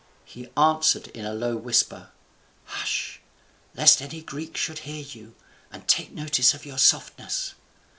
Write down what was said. He answered in a low whisper, 'Hush, lest any Greek should hear you, and take notice of your softness.'